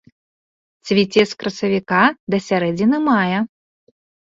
Цвіце з красавіка да сярэдзіны мая.